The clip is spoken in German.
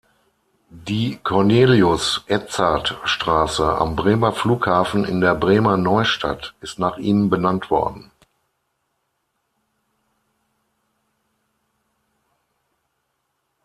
Die "Cornelius-Edzard-Straße" am Bremer Flughafen in der Bremer Neustadt ist nach ihm benannt worden.